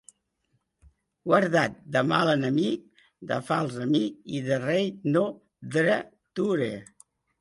Guarda't de mal enemic, de fals amic i de rei no dreturer.